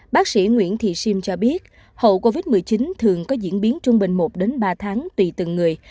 bác sĩ nguyễn thị siêm cho biết hậu covid một mươi chín thường có diễn biến trung bình một ba tháng tùy từng người